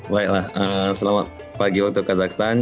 baiklah selamat pagi waktu kazahstan